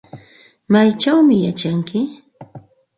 ¿Maychawmi yachanki?